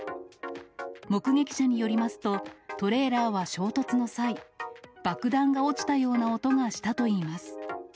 目撃者によりますと、トレーラーは衝突の際、爆弾が落ちたような音がしたといいます。